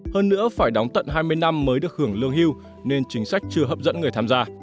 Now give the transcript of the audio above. hơn nữa phải đóng tận hai mươi năm mới được hưởng lương hưu nên chính sách chưa hấp dẫn người tham gia